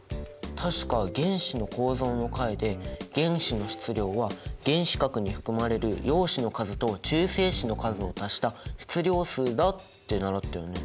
確か原子の構造の回で原子の質量は原子核に含まれる陽子の数と中性子の数を足した質量数だって習ったよね。